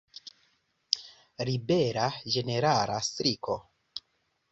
Ribela ĝenerala striko.